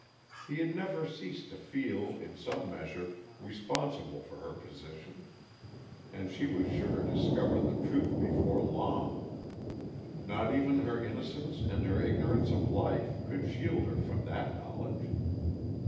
He had never ceased to feel, in some measure, responsible for her position. And she was sure to discover the truth before long; not even her innocence and her ignorance of life could shield her from that knowledge.